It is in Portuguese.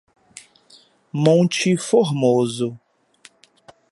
Monte Formoso